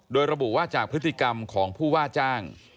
โดยระบุว่าจากพฤติกรรมของผู้ว่าจ้าง